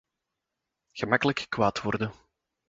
Gemakkelijk kwaad worden.